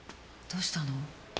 どうしたの？